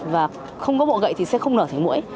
và không có bọ gậy thì sẽ không nở thấy mũi